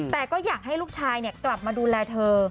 แต่ก็อยากให้ลูกชายกลับมาดูแลเธอ